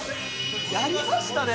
やりましたね